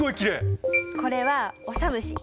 これはオサムシ。